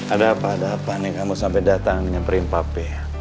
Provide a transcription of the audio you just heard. ada apa apa nih kamu sampai datang nyamperin papi